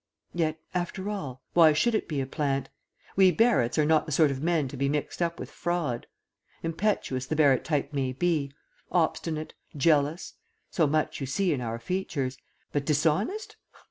Yet, after all, why should it be a plant? We Barretts are not the sort of men to be mixed up with fraud. Impetuous the Barrett type may be, obstinate, jealous so much you see in our features. But dishonest?